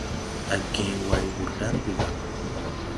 A gęę way wur darge ga.